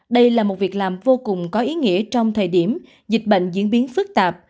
đây là một việc làm vô cùng có ý nghĩa trong thời điểm dịch bệnh diễn biến phức tạp